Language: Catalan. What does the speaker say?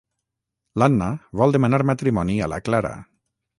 L'Anna vol demanar matrimoni a la Clara.